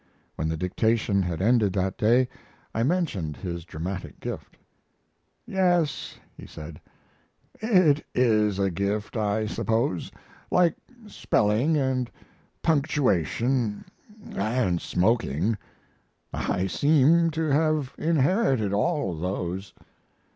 When the dictation had ended that day, I mentioned his dramatic gift. "Yes," he said, "it is a gift, I suppose, like spelling and punctuation and smoking. I seem to have inherited all those."